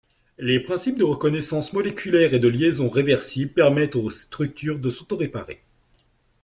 Les principes de reconnaissance moléculaire et de liaison réversible permettent aux structures de s'auto-réparer.